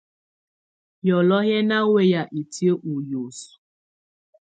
Yɔlɔ̀ɔ̀ yɛ́ ná wɛyá itiǝ́ ɔ́ hiǝ́suǝ.